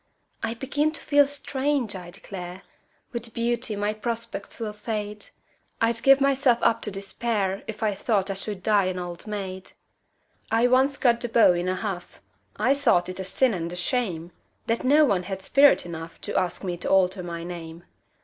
I begin to feel strange, I declare! With beauty my prospects will fade I'd give myself up to despair If I thought I should die an old maid! I once cut the beaux in a huff I thought it a sin and a shame That no one had spirit enough To ask me to alter my name.